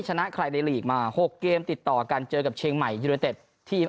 ชนะใครในลีกมา๖เกมติดต่อกันเจอกับเชียงใหม่ยูเนเต็ดทีม